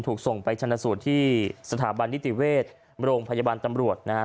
ถูกส่งไปชนะสูตรที่สถาบันนิติเวชโรงพยาบาลตำรวจนะฮะ